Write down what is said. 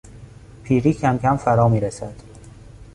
پیری کمکم فرا میرسد.